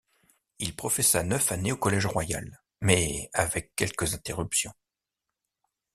Il professa neuf années au Collège Royal, mais avec quelques interruptions.